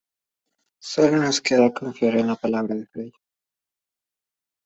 Sólo nos queda confiar en la palabra de Frey.